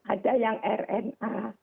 ada yang rna